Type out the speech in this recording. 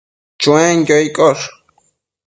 Chuenquio iccosh